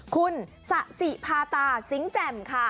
คุณสะสิภาตาสิงห์แจ่มค่ะ